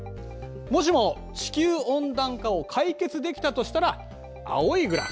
もしも地球温暖化を解決できたとしたら青いグラフ。